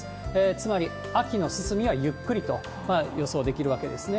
つまり秋の進みはゆっくりと、予想できるわけですね。